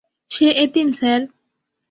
সে এতিম, স্যার।